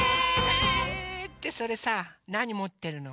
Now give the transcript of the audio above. ってそれさなにもってるの？